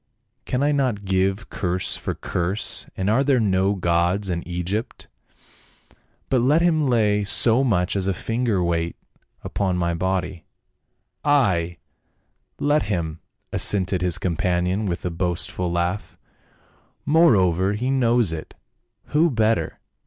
" Can I not give curse for curse? and are there not gods in Eg>'pt? But let him lay so much as a finger's weight upon my body —" 'Ay, let him !" assented his companion with a boast ful laugh. "Moreover, he knows it ; who better?